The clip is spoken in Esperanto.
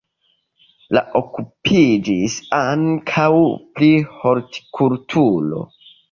Li okupiĝis ankaŭ pri hortikulturo.